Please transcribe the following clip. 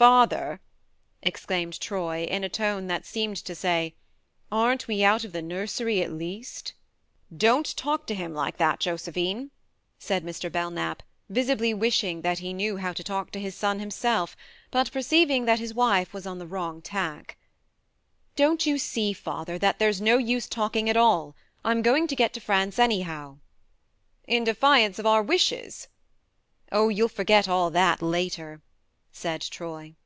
" Father !" exclaimed Troy, in a tone that seemed to say :" Aren't we out of the nursery, at least ?" "Don't talk to him like that, 60 THE MARNE Josephine," said Mr. Belknap, visibly wishing that he knew how to talk to his son himself, but perceiving that his wife was on the wrong tack. " Don't you see, father, that there's no use talking at aU ? I'm going to get to France anyhow." " In defiance of our wishes ?" "Oh, you'll forget all that later," said Troy.